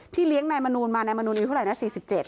ที่เลี้ยงนายมนูนมานายมนูนอยู่เท่าไรนะสี่สิบเจ็ด